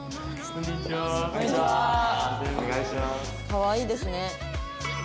かわいいですね。